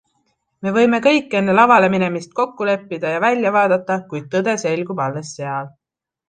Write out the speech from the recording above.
Me võime kõik enne lavale minemist kokku leppida ja välja vaadata, kuid tõde selgub alles seal.